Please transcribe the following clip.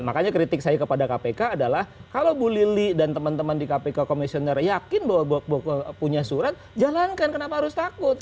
makanya kritik saya kepada kpk adalah kalau bu lili dan teman teman di kpk komisioner yakin bahwa punya surat jalankan kenapa harus takut